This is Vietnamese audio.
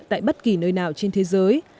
tại bất kỳ nơi nào trên thế giới